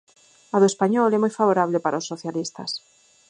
A do Español é moi favorable para os socialistas.